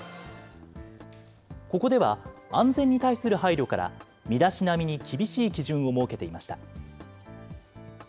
ここでは安全に対する配慮から、身だしなみに厳しい基準を設けていました。